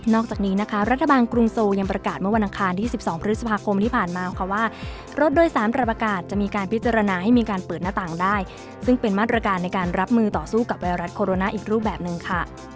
จากนี้นะคะรัฐบาลกรุงโซยังประกาศเมื่อวันอังคารที่๑๒พฤษภาคมที่ผ่านมาค่ะว่ารถโดยสารรับประกาศจะมีการพิจารณาให้มีการเปิดหน้าต่างได้ซึ่งเป็นมาตรการในการรับมือต่อสู้กับไวรัสโคโรนาอีกรูปแบบหนึ่งค่ะ